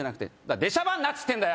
出しゃばんなっつってんだよ！